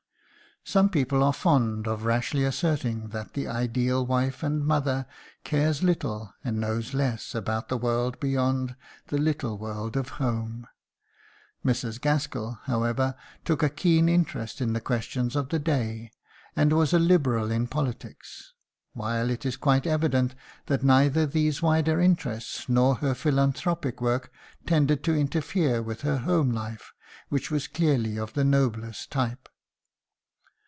Some people are fond of rashly asserting that the ideal wife and mother cares little and knows less about the world beyond the little world of home. Mrs. Gaskell, however, took a keen interest in the questions of the day, and was a Liberal in politics; while it is quite evident that neither these wider interests nor her philanthropic work tended to interfere with the home life, which was clearly of the noblest type.